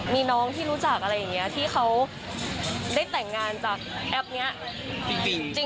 มีน้องที่รู้จักอะไรอย่างนี้ที่เขาได้แต่งงานจากแอปนี้จริง